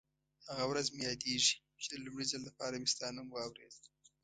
هغه ورځ مې یادېږي چې د لومړي ځل لپاره مې ستا نوم واورېد.